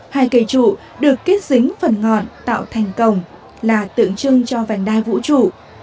hai cây trụ được kết dính phần ngọn tạo thành cổng là tượng trưng cho vành đai vũ trụ